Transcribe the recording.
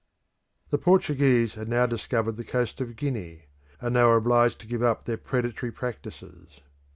The Portuguese had now discovered the coast of Guinea, and they were obliged to give up their predatory practices.